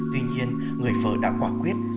tuy nhiên người vợ đã quả quyết